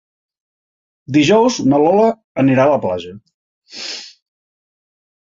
Dijous na Lola anirà a la platja.